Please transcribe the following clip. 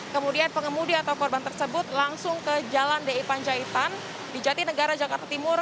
kemudian pengemudi atau korban tersebut langsung ke jalan di panjaitan di jati negara jakarta timur